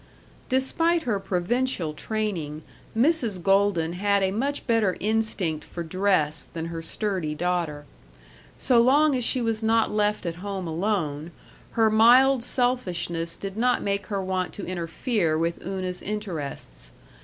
Despite her provincial training, Mrs. Golden had a much better instinct for dress than her sturdy daughter. So long as she was not left at home alone, her mild selfishness did not make her want to interfere with Una's interests.